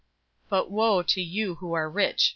006:024 "But woe to you who are rich!